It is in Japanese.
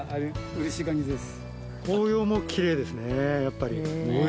うれしい限りです。